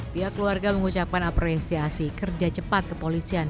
pihak keluarga mengucapkan apresiasi kerja cepat kepolisian